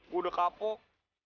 gue udah kapok